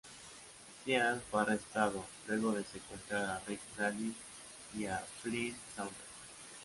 Sean fue arrestado luego de secuestrar a Ric Dalby y a Flynn Saunders.